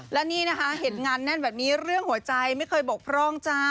และนี่นะคะเห็นงานแน่นแบบนี้เรื่องหัวใจไม่เคยบกพร่องจ้า